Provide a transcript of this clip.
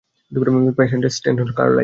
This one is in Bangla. Patient Stanton Carlyle.